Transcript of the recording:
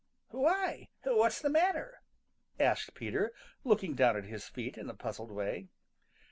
"Why? What's the matter?" asked Peter, looking down at his feet in a puzzled way.